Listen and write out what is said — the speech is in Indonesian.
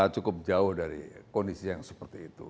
cukup jauh dari kondisi yang seperti itu